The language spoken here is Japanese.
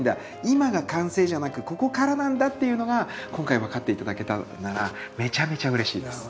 今が完成じゃなくここからなんだっていうのが今回分かって頂けたならめちゃめちゃうれしいです。